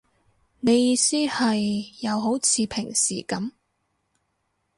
你意思係，又好似平時噉